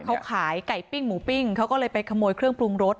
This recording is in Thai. เขาขายไก่ปิ้งหมูปิ้งเขาก็เลยไปขโมยเครื่องปรุงรส